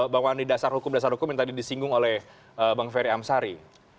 bang wani dasar hukum dasar hukum yang tadi disinggung oleh bang ferry amsari